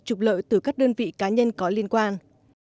trục lợi từ các đơn vị cá nhân có liên quan